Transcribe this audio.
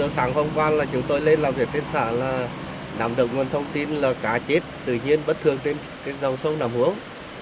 hồi sáng hôm qua là chúng tôi lên làm việc trên xã là nằm được nguồn thông tin là cá chết tự nhiên bất thường trên cái dòng sông nậm huống